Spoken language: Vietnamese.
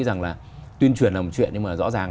rằng là tuyên truyền là một chuyện nhưng mà rõ ràng